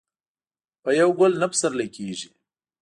په يو ګل نه پسرلی کيږي.